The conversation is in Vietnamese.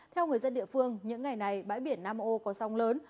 theo người dân địa phương những ngày này bãi biển nam âu có sóng lớn